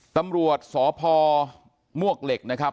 ตำรวจสพมวกเหล็กนะครับ